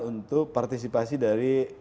untuk partisipasi dari